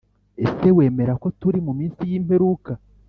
Ese wemera ko turi mu minsi y’ imperuka